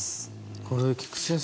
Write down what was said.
これ、菊地先生